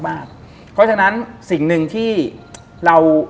เพราะฉะนั้นสิ่งหนึ่งที่เรา